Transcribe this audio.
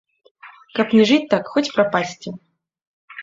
Каб не жыць так, хоць прапасці.